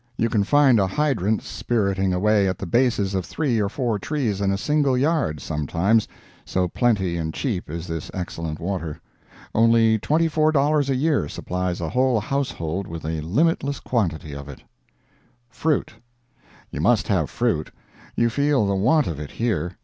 You can find a hydrant spiriting away at the bases of three or four trees in a single yard, sometimes, so plenty and cheap is this excellent water. Only twenty four dollars a year supplies a whole household with a limitless quantity of it. FRUIT You must have fruit. You feel the want of it here.